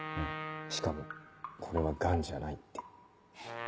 しかも「これは癌じゃない」って。